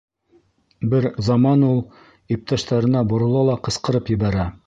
Бер заман ул иптәштәренә борола ла ҡысҡырып ебәрә: